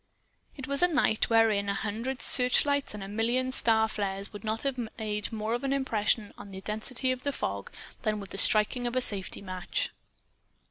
It was a night wherein a hundred searchlights and a million star flares would not have made more impression on the density of the fog than would the striking of a safety match.